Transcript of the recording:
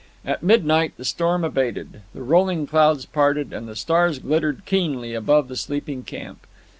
At midnight the storm abated, the rolling clouds parted, and the stars glittered keenly above the sleeping camp.